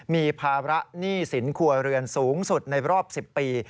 มีภาระหนี้สินครัวเรือนสูงสุดในรอบ๑๐ปี